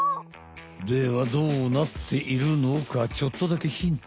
ではどうなっているのかちょっとだけヒント。